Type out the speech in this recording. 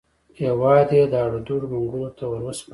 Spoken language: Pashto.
هېواد یې د اړدوړ منګولو ته وروسپاره.